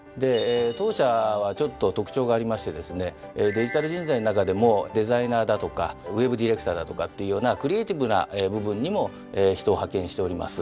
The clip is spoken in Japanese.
デジタル人材の中でもデザイナーだとかＷｅｂディレクターだとかっていうようなクリエーティブな部分にも人を派遣しております。